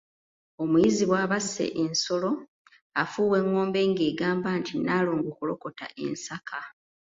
Omuyizzi bw'aba asse ensolo afuuwa engombe ng'egamba nti 'Nnaalongo kolokota ensaka'.